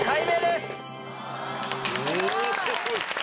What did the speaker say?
すごい。